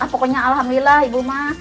pokoknya alhamdulillah ibu mah